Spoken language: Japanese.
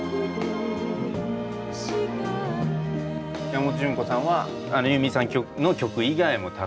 山本潤子さんはユーミンさんの曲以外もたくさん。